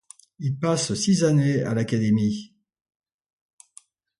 Il passe six années à l'académie.